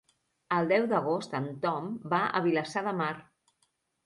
El deu d'agost en Tom va a Vilassar de Mar.